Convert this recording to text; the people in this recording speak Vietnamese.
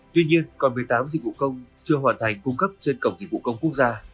tuy nhiên còn một mươi tám dịch vụ công chưa hoàn thành cung cấp trên cổng dịch vụ công quốc gia